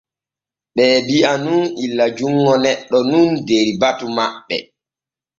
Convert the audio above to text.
Ɓee bi’a nun illa junŋo neɗɗo nun der batu maɓɓe.